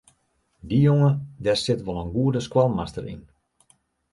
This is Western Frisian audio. Dy jonge dêr sit wol in goede skoalmaster yn.